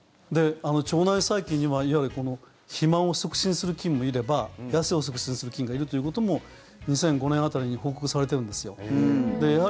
腸内細菌にはいわゆる肥満を促進する菌もいれば痩せを促進する菌がいるということも２００５年辺りに報告されてるんですよ。